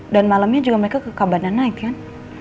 dan malamnya juga mereka ke cabana night kan